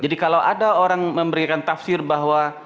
jadi kalau ada orang memberikan tafsir bahwa